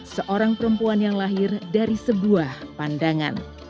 seorang perempuan yang lahir dari sebuah pandangan